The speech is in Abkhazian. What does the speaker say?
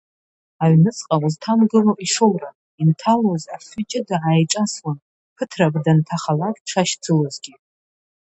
Аҩныҵҟа узҭамгыло ишоуран, инҭалоз афҩы ҷыда ааиҿасуан, ԥыҭрак данҭахалак дшашьцылозгьы.